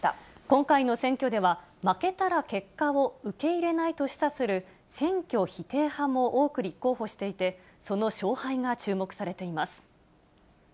今回の選挙では、負けたら結果を受け入れないと示唆する選挙否定派も多く立候補していて、その勝敗が注目されています。